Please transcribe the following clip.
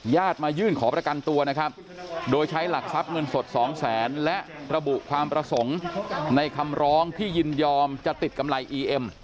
มายื่นขอประกันตัวนะครับโดยใช้หลักทรัพย์เงินสดสองแสนและระบุความประสงค์ในคำร้องที่ยินยอมจะติดกำไรอีเอ็ม